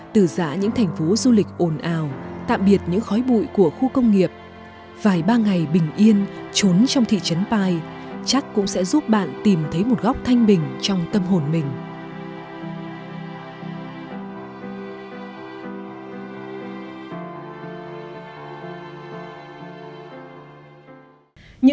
từ giã những thành phố du lịch ồn ào tạm biệt những khói bụi của khu công nghiệp vài ba ngày bình yên trốn trong thị trấn pai chắc cũng sẽ giúp bạn tìm thấy một góc thanh bình trong tâm hồn mình